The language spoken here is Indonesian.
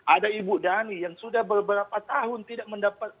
ada ibu dhani yang sudah beberapa tahun tidak mendapatkan